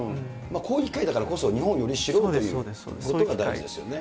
こういう機会だからこそ、日本をより知ろうということが大事ですよね。